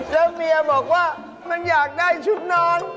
แล้วเมียบอกว่ามันอยากได้ชุดนอน